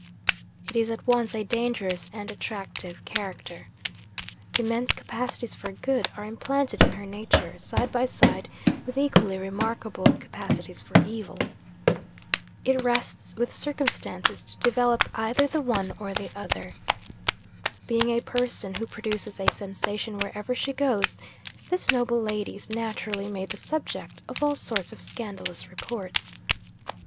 'It is at once a dangerous and attractive character. Immense capacities for good are implanted in her nature, side by side with equally remarkable capacities for evil. It rests with circumstances to develop either the one or the other. Being a person who produces a sensation wherever she goes, this noble lady is naturally made the subject of all sorts of scandalous reports.